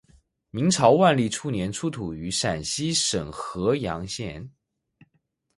明朝万历初年出土于陕西省郃阳县。